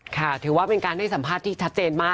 ถือว่าเป็นการให้สัมภาษณ์ที่ชัดเจนมาก